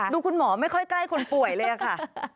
คุณหมอไม่ค่อยใกล้คนป่วยเลยค่ะ